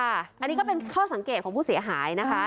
อันนี้ก็เป็นข้อสังเกตของผู้เสียหายนะคะ